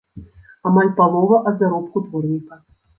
Амаль палова ад заробку дворніка!